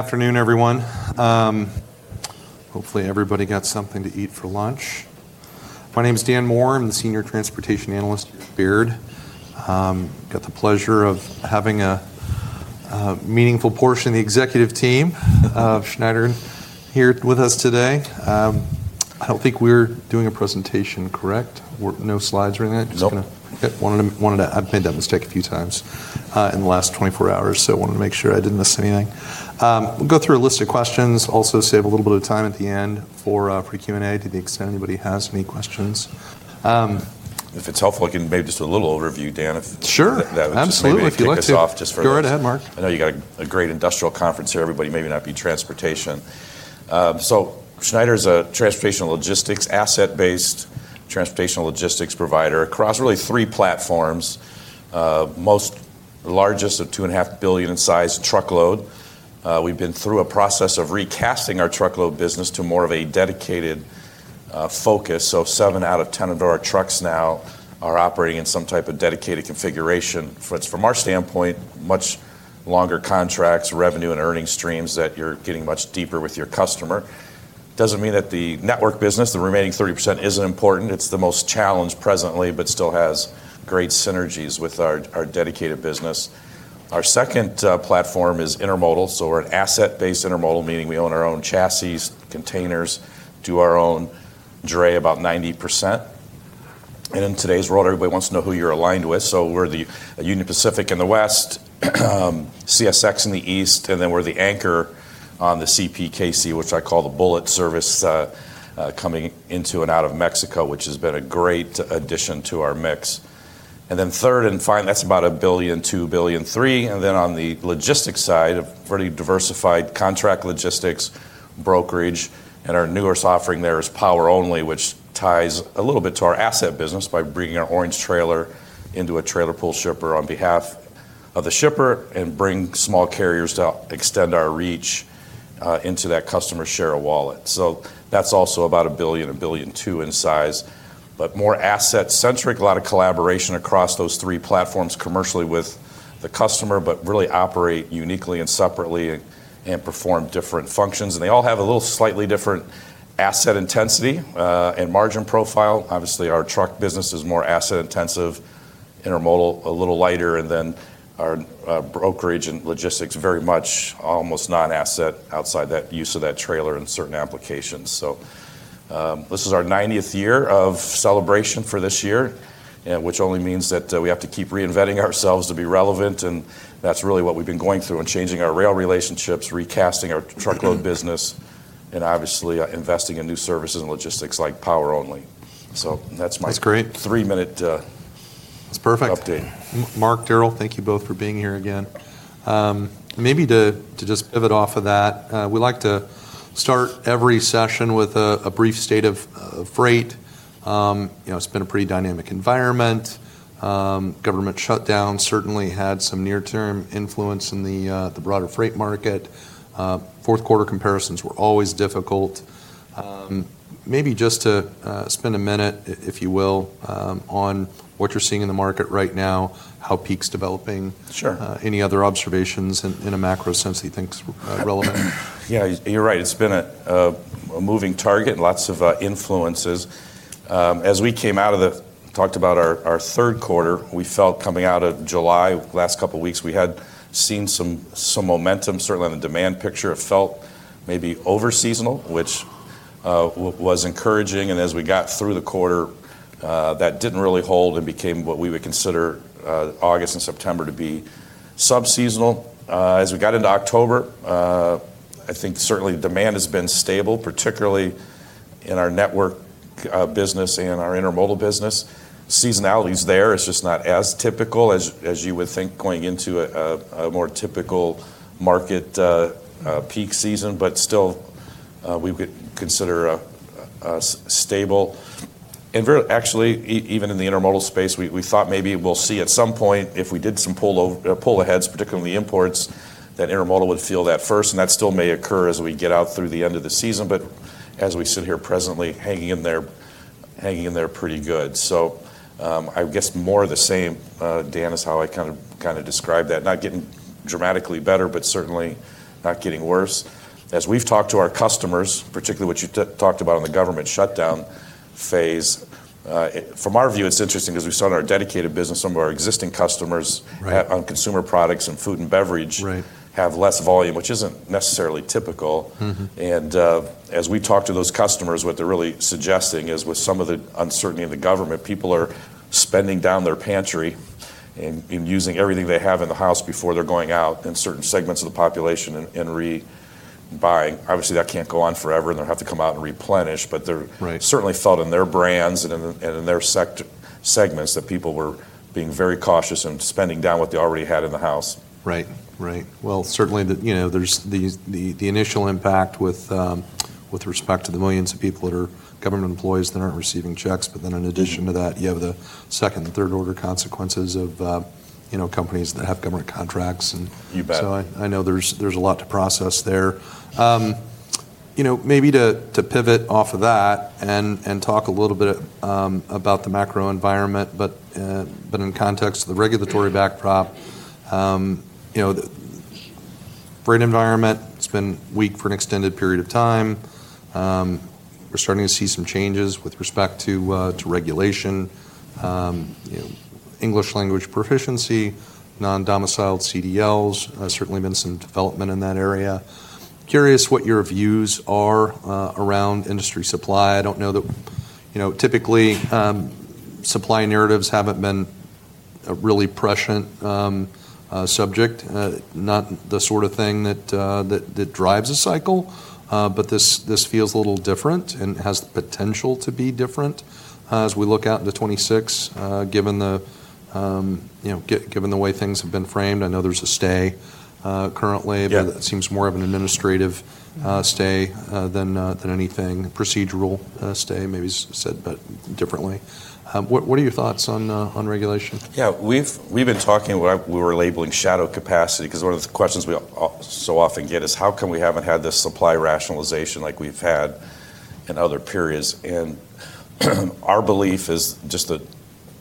Afternoon, everyone. Hopefully, everybody got something to eat for lunch. My name is Dan Moore. I'm the Senior Transportation Analyst here at Baird. Got the pleasure of having a meaningful portion of the executive team of Schneider here with us today. I don't think we're doing a presentation, correct? No slides or anything. No. I've made that mistake a few times in the last 24 hours, so I wanted to make sure I didn't miss anything. We'll go through a list of questions. Also, save a little bit of time at the end for Q&A to the extent anybody has any questions. If it's helpful, I can maybe just do a little overview, Dan, if that would. Sure. Absolutely. Kick us off just for. Go right ahead, Mark. I know you got a great industrial conference here. Everybody maybe not be transportation. So Schneider is a transportation logistics asset-based transportation logistics provider across really three platforms. Most largest of $2.5 billion in size truckload. We've been through a process of recasting our truckload business to more of a dedicated focus. So 7 out of 10 of our trucks now are operating in some type of dedicated configuration. From our standpoint, much longer contracts, revenue, and earning streams that you're getting much deeper with your customer. Doesn't mean that the network business, the remaining 30%, isn't important. It's the most challenged presently, but still has great synergies with our dedicated business. Our second platform is intermodal. So we're an asset-based intermodal, meaning we own our own chassis, containers, do our own gray about 90%. In today's world, everybody wants to know who you're aligned with. We're the Union Pacific in the west, CSX in the east, and then we're the anchor on the CPKC, which I call the bullet service coming into and out of Mexico, which has been a great addition to our mix. Third and final, that's about $1 billion-$2 billion, $3 billion. On the logistics side, a pretty diversified contract logistics, brokerage. Our newest offering there is Power Only, which ties a little bit to our asset business by bringing our orange trailer into a trailer pull shipper on behalf of the shipper and bring small carriers to extend our reach into that customer's share of wallet. That's also about $1 billion, $1.2 billion in size. More asset-centric, a lot of collaboration across those three platforms commercially with the customer, but really operate uniquely and separately and perform different functions. They all have a little slightly different asset intensity and margin profile. Obviously, our truck business is more asset-intensive, intermodal a little lighter, and then our brokerage and logistics very much almost non-asset outside that use of that trailer in certain applications. This is our 90th year of celebration for this year, which only means that we have to keep reinventing ourselves to be relevant. That is really what we have been going through and changing our rail relationships, recasting our truckload business, and obviously investing in new services and logistics like Power Only. That is my three-minute. That's perfect. Update. Mark, Darrell, thank you both for being here again. Maybe to just pivot off of that, we like to start every session with a brief state of freight. It's been a pretty dynamic environment. Government shutdown certainly had some near-term influence in the broader freight market. Fourth quarter comparisons were always difficult. Maybe just to spend a minute, if you will, on what you're seeing in the market right now, how peak's developing. Any other observations in a macro sense that you think are relevant? Yeah, you're right. It's been a moving target and lots of influences. As we came out of the talked about our third quarter, we felt coming out of July, last couple of weeks, we had seen some momentum, certainly on the demand picture. It felt maybe over-seasonal, which was encouraging. As we got through the quarter, that didn't really hold and became what we would consider August and September to be sub-seasonal. As we got into October, I think certainly demand has been stable, particularly in our network business and our intermodal business. Seasonality is there. It's just not as typical as you would think going into a more typical market PEAK season, but still we would consider stable. Actually, even in the intermodal space, we thought maybe we'll see at some point if we did some pull aheads, particularly in the imports, that intermodal would feel that first. That still may occur as we get out through the end of the season, but as we sit here presently, hanging in there pretty good. I guess more of the same, Dan, is how I kind of describe that. Not getting dramatically better, but certainly not getting worse. As we've talked to our customers, particularly what you talked about in the government shutdown phase, from our view, it's interesting because we started our dedicated business. Some of our existing customers on consumer products and food and beverage have less volume, which isn't necessarily typical. As we talk to those customers, what they're really suggesting is with some of the uncertainty in the government, people are spending down their pantry and using everything they have in the house before they're going out in certain segments of the population and rebuying. Obviously, that can't go on forever and they'll have to come out and replenish, but they certainly felt in their brands and in their segments that people were being very cautious and spending down what they already had in the house. Right. Right. Certainly the initial impact with respect to the millions of people that are government employees that aren't receiving checks, but then in addition to that, you have the second and third order consequences of companies that have government contracts. You bet. I know there's a lot to process there. Maybe to pivot off of that and talk a little bit about the macro environment, but in context of the regulatory backdrop, brain environment, it's been weak for an extended period of time. We're starting to see some changes with respect to regulation, English language proficiency, non-domiciled CDLs, certainly been some development in that area. Curious what your views are around industry supply. I don't know that typically supply narratives haven't been a really prescient subject, not the sort of thing that drives a cycle, but this feels a little different and has the potential to be different as we look out into 2026, given the way things have been framed. I know there's a stay currently, but it seems more of an administrative stay than anything, procedural stay, maybe said differently. What are your thoughts on regulation? Yeah, we've been talking what we were labeling shadow capacity because one of the questions we so often get is, how come we haven't had this supply rationalization like we've had in other periods? Our belief is just an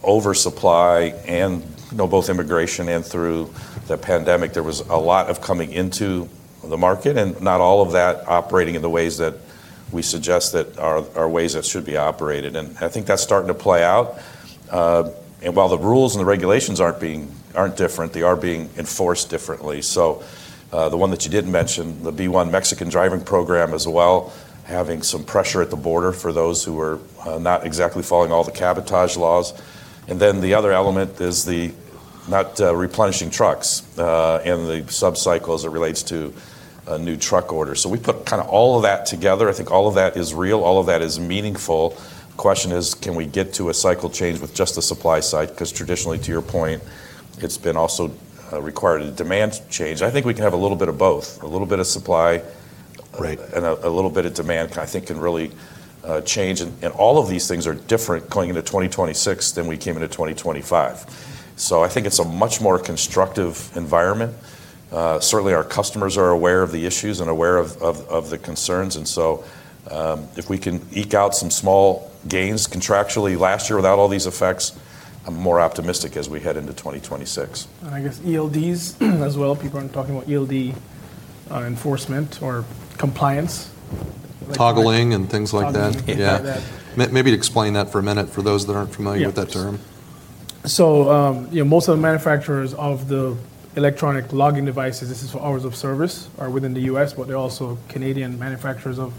oversupply and both immigration and through the pandemic, there was a lot of coming into the market and not all of that operating in the ways that we suggest that are ways that should be operated. I think that's starting to play out. While the rules and the regulations aren't different, they are being enforced differently. The one that you didn't mention, the B1 Mexican driving program as well, having some pressure at the border for those who are not exactly following all the cabotage laws. The other element is the not replenishing trucks and the sub-cycles that relates to a new truck order. We put kind of all of that together. I think all of that is real. All of that is meaningful. The question is, can we get to a cycle change with just the supply side? Because traditionally, to your point, it's been also required to demand change. I think we can have a little bit of both, a little bit of supply and a little bit of demand, I think can really change. All of these things are different going into 2026 than we came into 2025. I think it's a much more constructive environment. Certainly, our customers are aware of the issues and aware of the concerns. If we can eke out some small gains contractually last year without all these effects, I'm more optimistic as we head into 2026. I guess ELDs as well, people are talking about ELD enforcement or compliance. Toggling and things like that. Toggling, yeah. Maybe to explain that for a minute for those that aren't familiar with that term. Most of the manufacturers of the electronic logging devices, this is for hours of service, are within the US, but there are also Canadian manufacturers of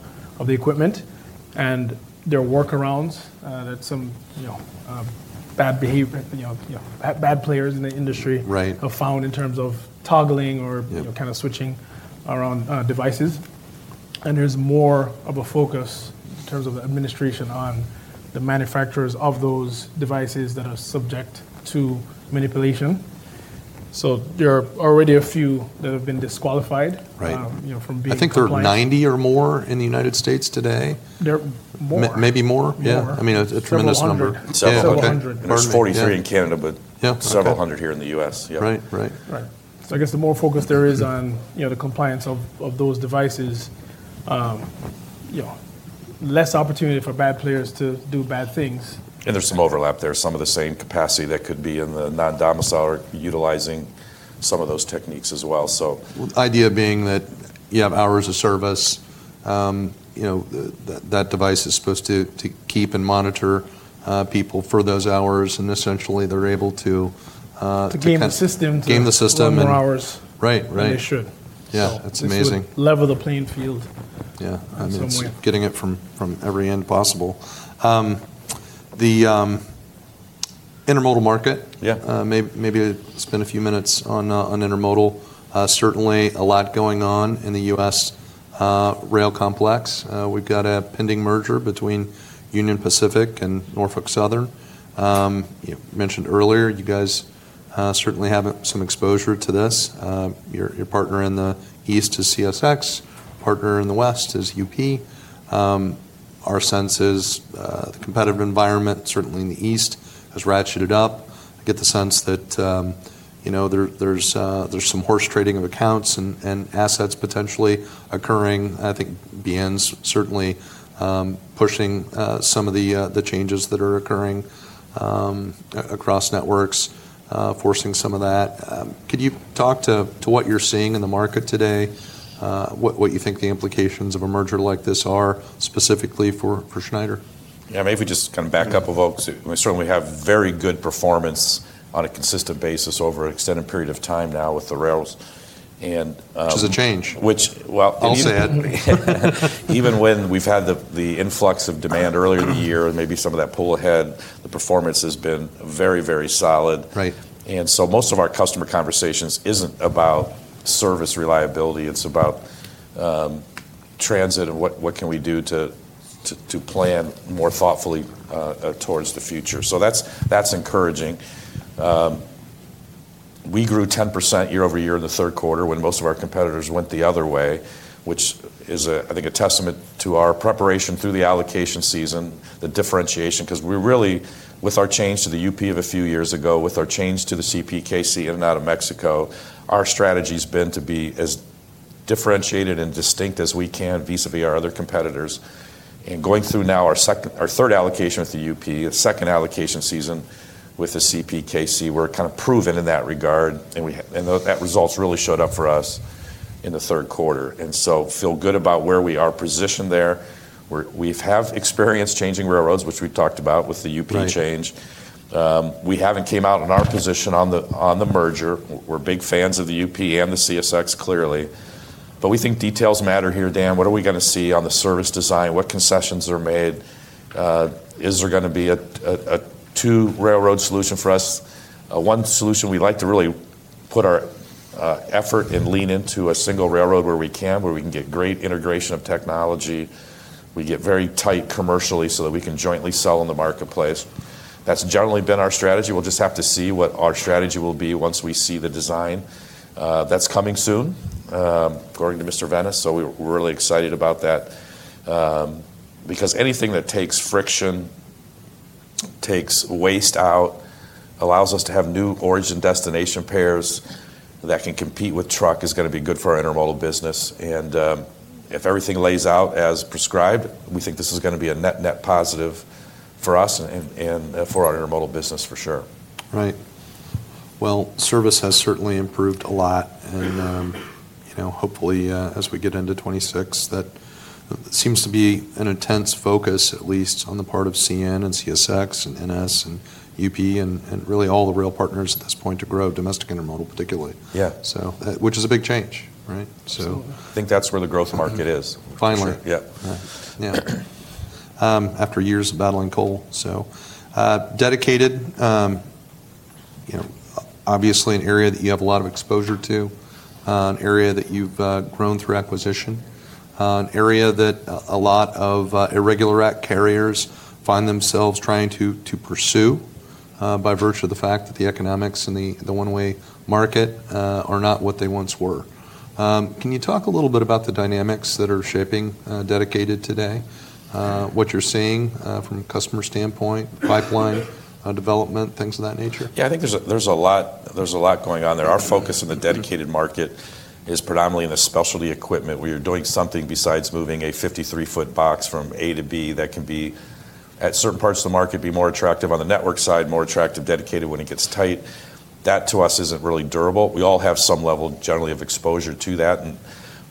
the equipment. There are workarounds that some bad players in the industry have found in terms of toggling or kind of switching around devices. There is more of a focus in terms of the administration on the manufacturers of those devices that are subject to manipulation. There are already a few that have been disqualified from being supplied. I think there are 90 or more in the United States today. There are more. Maybe more. Yeah. I mean, a tremendous number. Several hundred. There's 43 in Canada, but several hundred here in the U.S. Right. Right. I guess the more focus there is on the compliance of those devices, less opportunity for bad players to do bad things. There's some overlap there, some of the same capacity that could be in the non-domicile or utilizing some of those techniques as well. The idea being that you have hours of service, that device is supposed to keep and monitor people for those hours, and essentially they're able to. To game the system. Game the system. Over hours. Right. Right. They should. Yeah. That's amazing. It's level the playing field. Yeah. Getting it from every end possible. The intermodal market, maybe spend a few minutes on intermodal. Certainly a lot going on in the U.S. rail complex. We've got a pending merger between Union Pacific and Norfolk Southern. You mentioned earlier, you guys certainly have some exposure to this. Your partner in the east is CSX. Partner in the west is UP. Our sense is the competitive environment, certainly in the east, has ratcheted up. I get the sense that there's some horse trading of accounts and assets potentially occurring. I think BN's certainly pushing some of the changes that are occurring across networks, forcing some of that. Could you talk to what you're seeing in the market today, what you think the implications of a merger like this are specifically for Schneider? Yeah, maybe we just kind of back up a bit. Certainly, we have very good performance on a consistent basis over an extended period of time now with the rails. Which is a change. I'll say it. Even when we've had the influx of demand earlier in the year, maybe some of that pull ahead, the performance has been very, very solid. Most of our customer conversations isn't about service reliability. It's about transit and what can we do to plan more thoughtfully towards the future. That's encouraging. We grew 10% year over year in the third quarter when most of our competitors went the other way, which is, I think, a testament to our preparation through the allocation season, the differentiation, because we really, with our change to the UP of a few years ago, with our change to the CPKC in and out of Mexico, our strategy has been to be as differentiated and distinct as we can vis-à-vis our other competitors. Going through now our third allocation with the UP, the second allocation season with the CPKC, we're kind of proven in that regard. That results really showed up for us in the third quarter. I feel good about where we are positioned there. We have experience changing railroads, which we talked about with the UP change. We haven't come out in our position on the merger. We're big fans of the UP and the CSX, clearly. We think details matter here, Dan. What are we going to see on the service design? What concessions are made? Is there going to be a two-railroad solution for us? One solution we'd like to really put our effort and lean into is a single railroad where we can, where we can get great integration of technology. We get very tight commercially so that we can jointly sell in the marketplace. That's generally been our strategy. We'll just have to see what our strategy will be once we see the design. That's coming soon, according to Mr. Vena. We are really excited about that because anything that takes friction, takes waste out, allows us to have new origin destination pairs that can compete with truck is going to be good for our intermodal business. If everything lays out as prescribed, we think this is going to be a net-net positive for us and for our intermodal business for sure. Right. Service has certainly improved a lot. Hopefully, as we get into 2026, that seems to be an intense focus, at least on the part of CN, CSX, NS, UP, and really all the rail partners at this point to grow domestic intermodal, particularly. Yeah, which is a big change, right? I think that's where the growth market is. Finally. Yeah. After years of battling coal. Dedicated, obviously an area that you have a lot of exposure to, an area that you've grown through acquisition, an area that a lot of irregular rack carriers find themselves trying to pursue by virtue of the fact that the economics and the one-way market are not what they once were. Can you talk a little bit about the dynamics that are shaping dedicated today, what you're seeing from a customer standpoint, pipeline development, things of that nature? Yeah, I think there's a lot going on there. Our focus in the dedicated market is predominantly in the specialty equipment. We are doing something besides moving a 53-foot box from A to B that can be, at certain parts of the market, be more attractive on the network side, more attractive dedicated when it gets tight. That to us isn't really durable. We all have some level generally of exposure to that,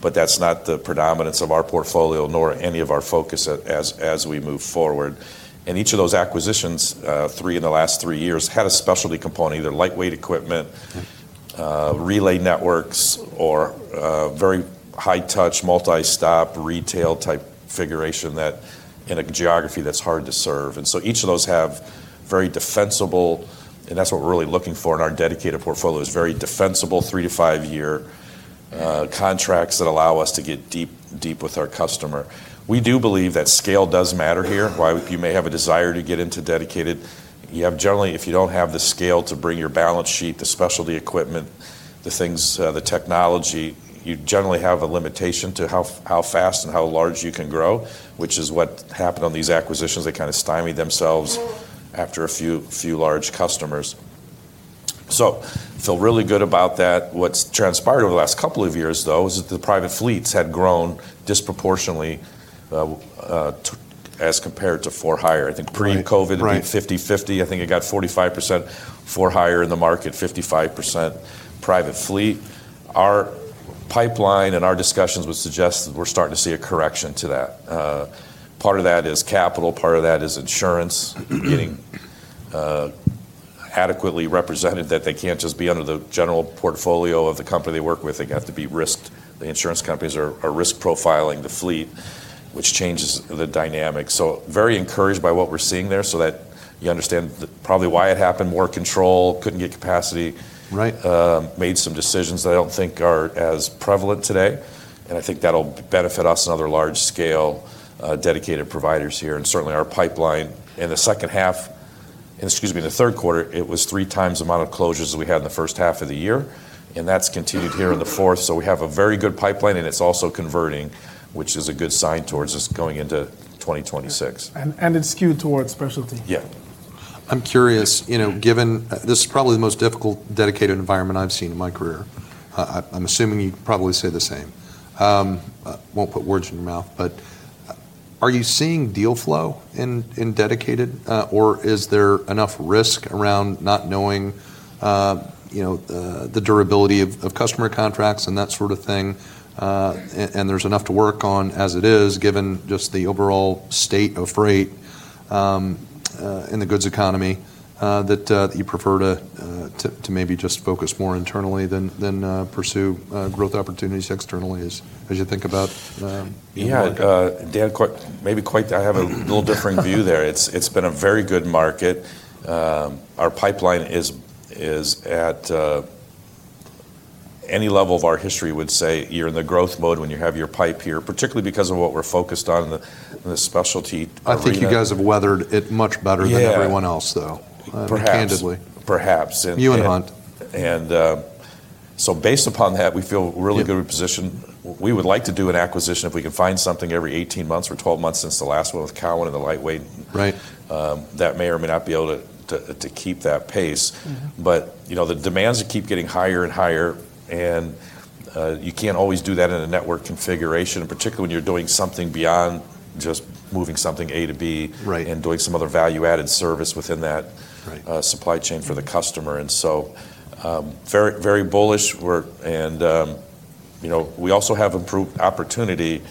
but that's not the predominance of our portfolio nor any of our focus as we move forward. Each of those acquisitions, three in the last three years, had a specialty component, either lightweight equipment, relay networks, or very high-touch multi-stop retail type configuration in a geography that's hard to serve. Each of those have very defensible, and that's what we're really looking for in our dedicated portfolio, is very defensible three- to five-year contracts that allow us to get deep with our customer. We do believe that scale does matter here. While you may have a desire to get into dedicated, you have generally, if you don't have the scale to bring your balance sheet, the specialty equipment, the things, the technology, you generally have a limitation to how fast and how large you can grow, which is what happened on these acquisitions. They kind of stymied themselves after a few large customers. Feel really good about that. What's transpired over the last couple of years, though, is that the private fleets had grown disproportionately as compared to for-hire. I think pre-COVID, it'd be 50-50. I think it got 45% for-hire in the market, 55% private fleet. Our pipeline and our discussions would suggest that we're starting to see a correction to that. Part of that is capital. Part of that is insurance getting adequately represented that they can't just be under the general portfolio of the company they work with. They have to be risked. The insurance companies are risk profiling the fleet, which changes the dynamic. Very encouraged by what we're seeing there so that you understand probably why it happened. More control couldn't get capacity, made some decisions that I don't think are as prevalent today. I think that'll benefit us and other large-scale dedicated providers here. Certainly our pipeline in the second half, excuse me, in the third quarter, it was three times the amount of closures that we had in the first half of the year. That's continued here in the fourth. We have a very good pipeline and it's also converting, which is a good sign towards us going into 2026. It's skewed towards specialty. Yeah. I'm curious, given this is probably the most difficult dedicated environment I've seen in my career. I'm assuming you'd probably say the same. I won't put words in your mouth, but are you seeing deal flow in dedicated, or is there enough risk around not knowing the durability of customer contracts and that sort of thing? There's enough to work on as it is, given just the overall state of freight in the goods economy, that you prefer to maybe just focus more internally than pursue growth opportunities externally as you think about? Yeah, Dan, maybe I have a little different view there. It's been a very good market. Our pipeline is at any level of our history would say you're in the growth mode when you have your pipe here, particularly because of what we're focused on in the specialty. I think you guys have weathered it much better than everyone else, though, candidly. Perhaps. You and Hunt. Based upon that, we feel really good position. We would like to do an acquisition if we can find something every 18 months or 12 months since the last one with Cowan and the lightweight. That may or may not be able to keep that pace. The demands keep getting higher and higher, and you can't always do that in a network configuration, particularly when you're doing something beyond just moving something A to B and doing some other value-added service within that supply chain for the customer. Very bullish. We also have opportunity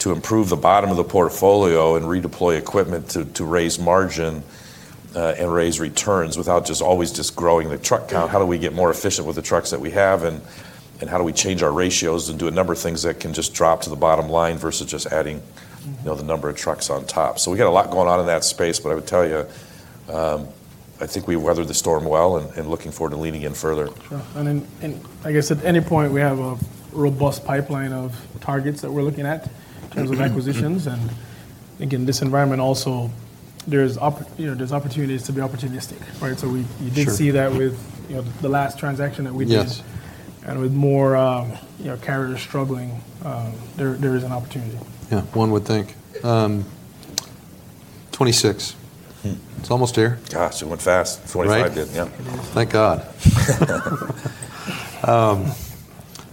to improve the bottom of the portfolio and redeploy equipment to raise margin and raise returns without just always just growing the truck count. How do we get more efficient with the trucks that we have? How do we change our ratios and do a number of things that can just drop to the bottom line versus just adding the number of trucks on top? We got a lot going on in that space, but I would tell you, I think we weathered the storm well and looking forward to leaning in further. Sure. I guess at any point, we have a robust pipeline of targets that we're looking at in terms of acquisitions. Again, this environment also, there's opportunities to be opportunistic. You did see that with the last transaction that we did. With more carriers struggling, there is an opportunity. Yeah, one would think. Twenty twenty-six. It's almost here. Gosh, it went fast. Twenty twenty-five did. Yeah. Thank God.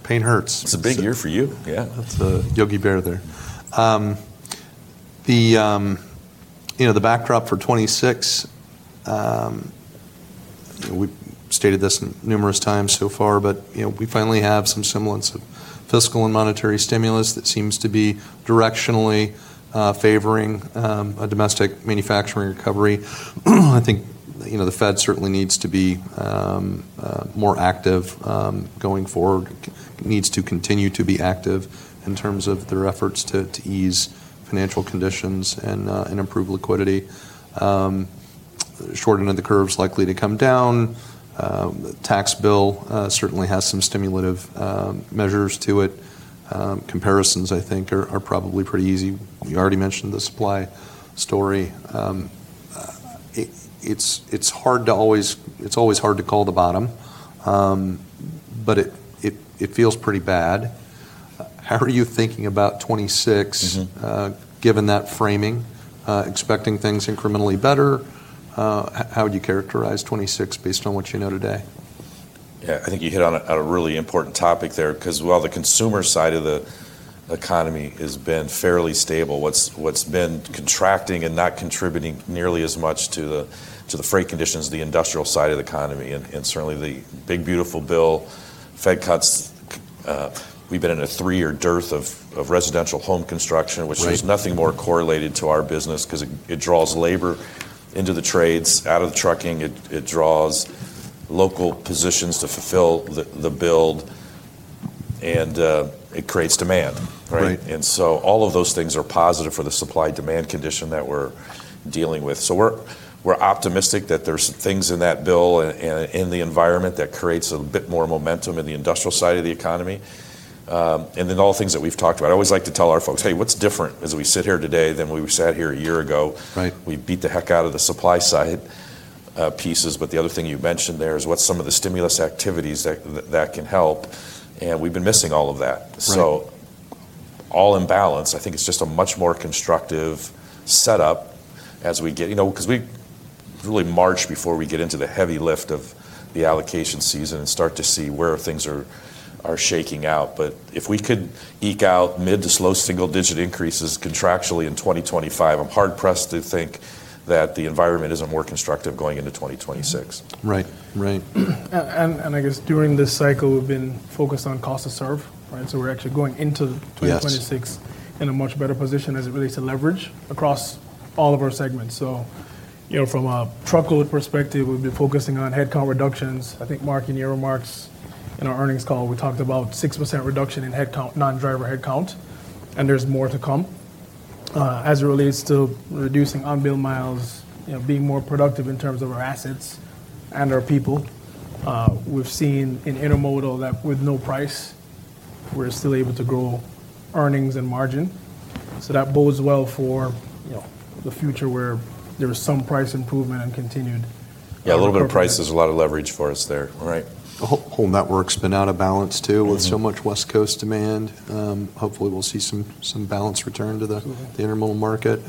Pain hurts. It's a big year for you. Yeah. Yogi Bear there. The backdrop for 2026, we've stated this numerous times so far, but we finally have some semblance of fiscal and monetary stimulus that seems to be directionally favoring a domestic manufacturing recovery. I think the Fed certainly needs to be more active going forward, needs to continue to be active in terms of their efforts to ease financial conditions and improve liquidity. Short end of the curve is likely to come down. Tax bill certainly has some stimulative measures to it. Comparisons, I think, are probably pretty easy. You already mentioned the supply story. It's hard to always, it's always hard to call the bottom, but it feels pretty bad. How are you thinking about 2026 given that framing, expecting things incrementally better? How would you characterize 2026 based on what you know today? Yeah, I think you hit on a really important topic there because, well, the consumer side of the economy has been fairly stable. What's been contracting and not contributing nearly as much to the freight conditions, the industrial side of the economy, and certainly the big, beautiful bill, Fed cuts. We've been in a three-year dearth of residential home construction, which is nothing more correlated to our business because it draws labor into the trades, out of the trucking. It draws local positions to fulfill the build, and it creates demand. All of those things are positive for the supply-demand condition that we're dealing with. We're optimistic that there's things in that bill and in the environment that creates a bit more momentum in the industrial side of the economy. All the things that we've talked about, I always like to tell our folks, "Hey, what's different as we sit here today than we sat here a year ago? We beat the heck out of the supply side pieces." The other thing you mentioned there is what some of the stimulus activities that can help. We've been missing all of that. All in balance, I think it's just a much more constructive setup as we get, because we really march before we get into the heavy lift of the allocation season and start to see where things are shaking out. If we could eke out mid to slow single-digit increases contractually in 2025, I'm hard-pressed to think that the environment isn't more constructive going into 2026. Right. Right. During this cycle, we've been focused on cost to serve. We're actually going into 2026 in a much better position as it relates to leverage across all of our segments. From a truckload perspective, we've been focusing on headcount reductions. I think, Mark, in your remarks in our earnings call, we talked about 6% reduction in non-driver headcount, and there's more to come. As it relates to reducing on-bill miles, being more productive in terms of our assets and our people, we've seen in intermodal that with no price, we're still able to grow earnings and margin. That bodes well for the future where there's some price improvement and continued. Yeah, a little bit of price is a lot of leverage for us there. Right. Whole network's been out of balance too with so much West Coast demand. Hopefully, we'll see some balance return to the intermodal market.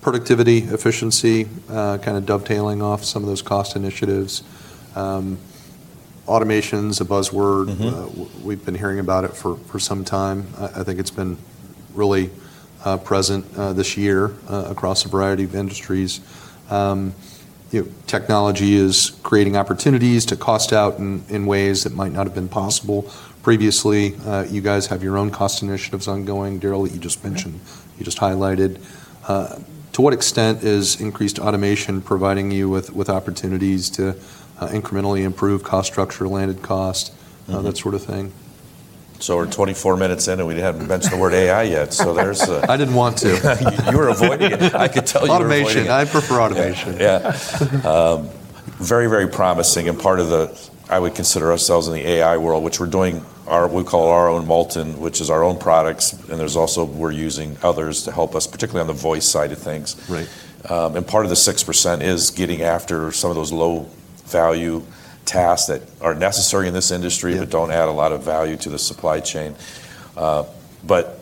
Productivity, efficiency, kind of dovetailing off some of those cost initiatives. Automation is a buzzword. We've been hearing about it for some time. I think it's been really present this year across a variety of industries. Technology is creating opportunities to cost out in ways that might not have been possible previously. You guys have your own cost initiatives ongoing, Darrell, that you just mentioned, you just highlighted. To what extent is increased automation providing you with opportunities to incrementally improve cost structure, landed cost, that sort of thing? We're 24 minutes in and we haven't mentioned the word AI yet. So there's. I didn't want to. You were avoiding it. I could tell you were avoiding it. Automation. I prefer automation. Yeah. Very, very promising. Part of the, I would consider ourselves in the AI world, which we're doing our, we call our own Molton, which is our own products. There's also, we're using others to help us, particularly on the voice side of things. Part of the 6% is getting after some of those low-value tasks that are necessary in this industry, but don't add a lot of value to the supply chain.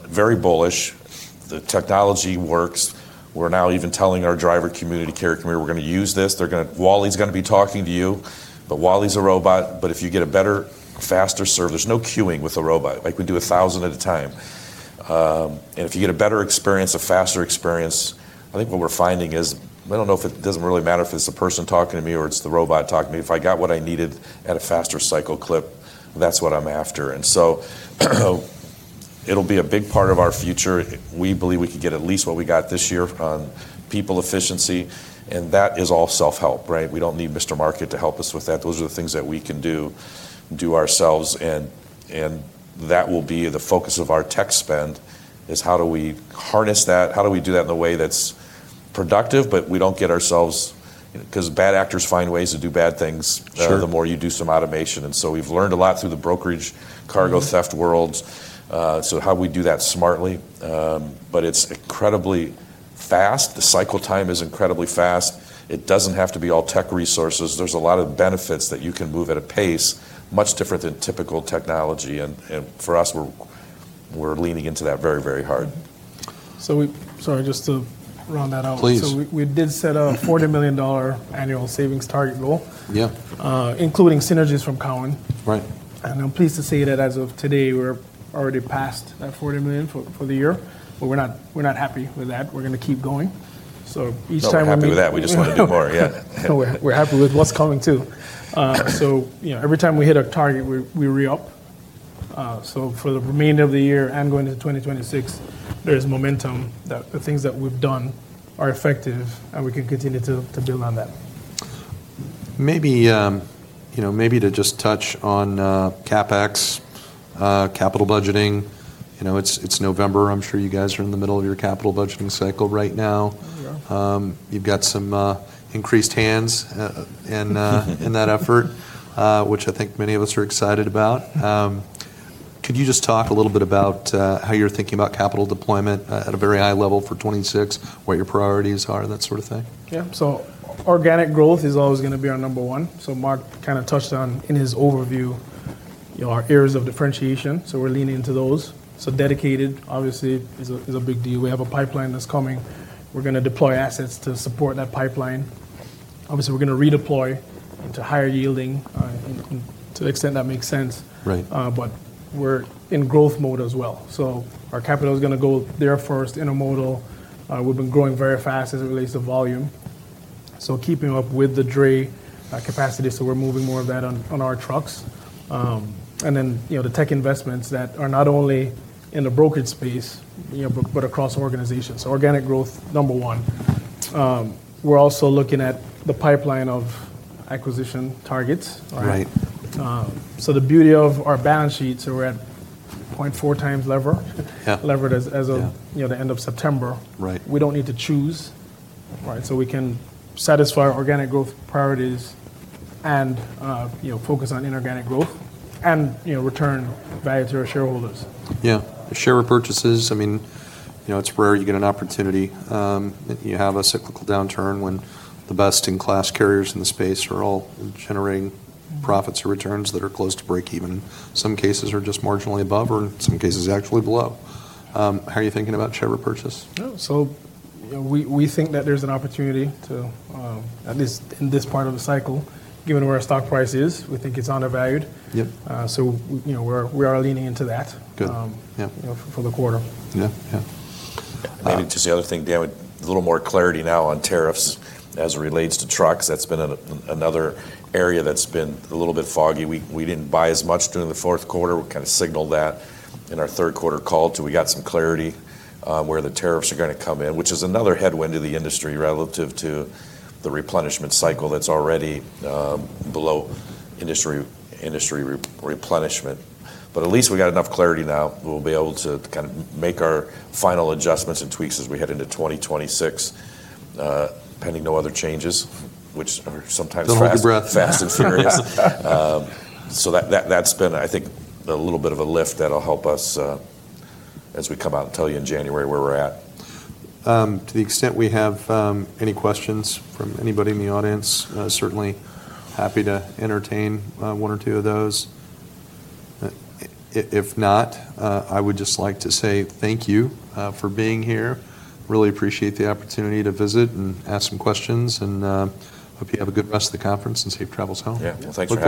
Very bullish. The technology works. We're now even telling our driver community, carrier community, we're going to use this. Wally's going to be talking to you, but Wally's a robot. If you get a better, faster service, there's no queuing with a robot. We do a thousand at a time. If you get a better experience, a faster experience, I think what we're finding is, I don't know if it doesn't really matter if it's the person talking to me or it's the robot talking to me. If I got what I needed at a faster cycle clip, that's what I'm after. It will be a big part of our future. We believe we can get at least what we got this year on people efficiency. That is all self-help. We don't need Mr. Market to help us with that. Those are the things that we can do ourselves. That will be the focus of our tech spend: how do we harness that? How do we do that in a way that's productive, but we don't get ourselves because bad actors find ways to do bad things the more you do some automation. We have learned a lot through the brokerage cargo theft world. How do we do that smartly? It is incredibly fast. The cycle time is incredibly fast. It does not have to be all tech resources. There are a lot of benefits that you can move at a pace much different than typical technology. For us, we are leaning into that very, very hard. Sorry, just to round that out. Please. We did set a $40 million annual savings target goal, including synergies from Cowan. I'm pleased to say that as of today, we're already past that $40 million for the year. We're not happy with that. We're going to keep going. Each time we. We're happy with that. We just want to do more. Yeah. We're happy with what's coming too. Every time we hit a target, we re-up. For the remainder of the year and going into 2026, there is momentum that the things that we've done are effective and we can continue to build on that. Maybe to just touch on CapEx, capital budgeting. It's November. I'm sure you guys are in the middle of your capital budgeting cycle right now. You've got some increased hands in that effort, which I think many of us are excited about. Could you just talk a little bit about how you're thinking about capital deployment at a very high level for 2026, what your priorities are, that sort of thing? Yeah. Organic growth is always going to be our number one. Mark kind of touched on in his overview our areas of differentiation. We're leaning into those. Dedicated, obviously, is a big deal. We have a pipeline that's coming. We're going to deploy assets to support that pipeline. Obviously, we're going to redeploy into higher yielding to the extent that makes sense. We're in growth mode as well. Our capital is going to go there first, intermodal. We've been growing very fast as it relates to volume. Keeping up with the dray capacity. We're moving more of that on our trucks. The tech investments that are not only in the brokerage space, but across organizations. Organic growth, number one. We're also looking at the pipeline of acquisition targets. The beauty of our balance sheets, we're at 0.4x leverage as of the end of September. We don't need to choose. We can satisfy our organic growth priorities and focus on inorganic growth and return value to our shareholders. Yeah. Share purchases, I mean, it's rare you get an opportunity. You have a cyclical downturn when the best in class carriers in the space are all generating profits or returns that are close to break-even. In some cases are just marginally above or in some cases actually below. How are you thinking about share purchase? We think that there's an opportunity to, at least in this part of the cycle, given where our stock price is, we think it's undervalued. We are leaning into that for the quarter. I think just the other thing, Darrell, a little more clarity now on tariffs as it relates to trucks. That's been another area that's been a little bit foggy. We didn't buy as much during the fourth quarter. We kind of signaled that in our third quarter call too. We got some clarity where the tariffs are going to come in, which is another headwind to the industry relative to the replenishment cycle that's already below industry replenishment. At least we got enough clarity now. We'll be able to kind of make our final adjustments and tweaks as we head into 2026, pending no other changes, which are sometimes fast and furious. That's been, I think, a little bit of a lift that'll help us as we come out and tell you in January where we're at. To the extent we have any questions from anybody in the audience, certainly happy to entertain one or two of those. If not, I would just like to say thank you for being here. Really appreciate the opportunity to visit and ask some questions. Hope you have a good rest of the conference and safe travels home. Yeah. Thanks a lot.